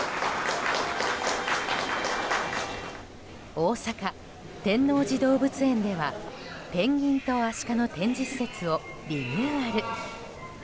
大阪・天王寺動物園ではペンギンとアシカの展示施設をリニューアル。